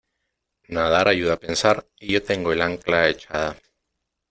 nadar ayuda a pensar y yo tengo el ancla echada .